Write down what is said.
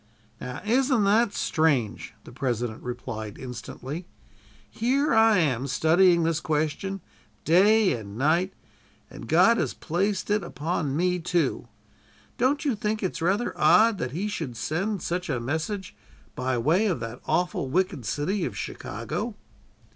"Now, isn't that strange?" the President replied instantly. "Here I am, studying this question, day and night, and God has placed it upon me, too. Don't you think it's rather odd that He should send such a message by way of that awful wicked city of Chicago?"